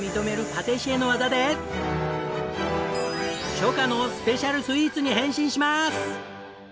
初夏のスペシャルスイーツに変身します。